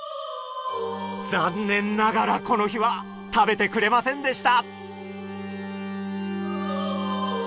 残念ながらこの日は食べてくれませんでした。